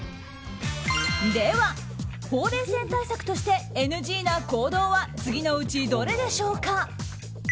では、ほうれい線対策としてＮＧな行動は次のうちどれでしょうか。